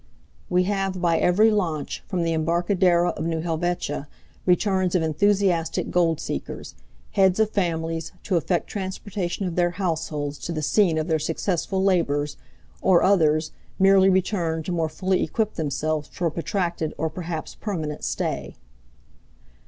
— We have by every launch from the embarcadera of New Helvetia, returns of enthusiastic gold seekers—heads of families, to effect transportation of their households to the scene of their successful labors, or others, merely returned to more fully equip themselves for a protracted, or perhaps permanent stay.